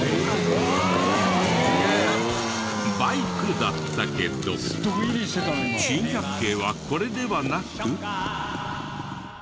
バイクだったけど珍百景はこれではなく。